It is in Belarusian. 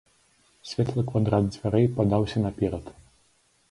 Светлы квадрат дзвярэй падаўся наперад.